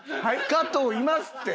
加藤いますって。